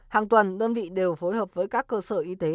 hàng tuần đơn vị đều phối hợp với các cơ sở y tế